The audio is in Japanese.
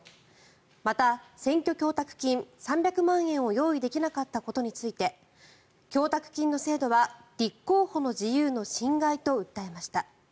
また、選挙供託金３００万円を用意できなかったことについて供託金の制度は立候補の自由の侵害と訴えました。